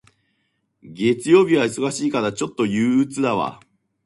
月曜日は忙しいから、ちょっと憂鬱だわ。